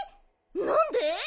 なんで？